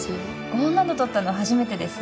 こんなの撮ったの初めてでさ。